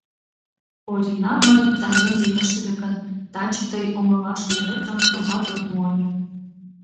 Орина мыйын таҥем лиеш ыле гын, таче тый оҥылаш луэтым, товат, от му ыле.